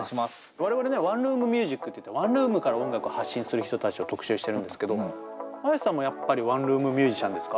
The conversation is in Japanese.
我々ね「ワンルーム☆ミュージック」っていってワンルームから音楽を発信する人たちを特集してるんですけどＡｙａｓｅさんもやっぱりワンルーム・ミュージシャンですか？